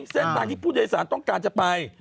เส้นทางที่ผู้โดยสารต้องการจะไป